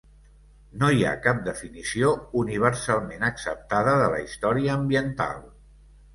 No hi ha cap definició universalment acceptada de la història ambiental.